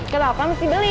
kira kira apa mesti beli